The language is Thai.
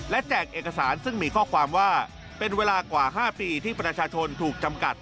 และแจกเอกสารซึ่งมีข้อความว่าเป็นเวลากว่า๕ปีที่ประชาชนถูกจำกัด